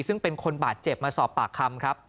ซึ่งเป็นคนบาดเจ็บมาสอบปากคำครับ